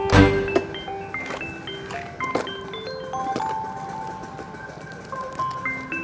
saya sudah berhenti